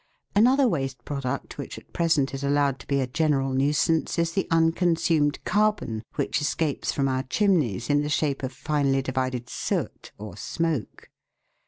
Another waste product which at present is allowed to be a general nuisance is the unconsumed carbon, which escapes from our chimneys in the shape of finely divided soot, or smoke.